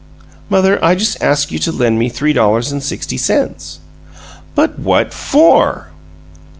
"Mother, I just ask you to lend me three dollars and sixty cents." "But what FOR?"